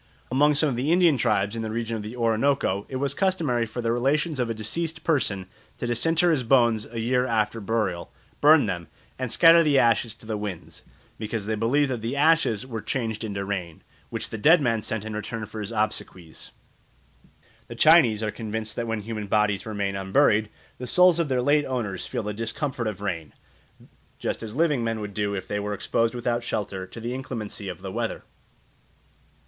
Among some of the Indian tribes in the region of the Orinoco it was customary for the relations of a deceased person to disinter his bones a year after burial, burn them, and scatter the ashes to the winds, because they believed that the ashes were changed into rain, which the dead man sent in return for his obsequies. The Chinese are convinced that when human bodies remain unburied, the souls of their late owners feel the discomfort of rain, just as living men would do if they were exposed without shelter to the inclemency of the weather.